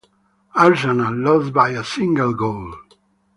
Arsenal lost by a single goal.